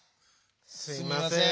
すみません。